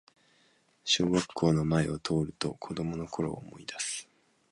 小学校の前を通ると子供のころを思いだす